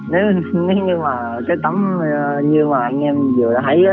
nếu như mà cái tấm như mà anh em vừa thấy á